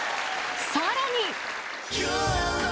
［さらに］